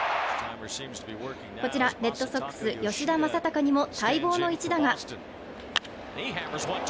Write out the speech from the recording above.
こちらレッドソックス吉田正尚にも待望の一打が。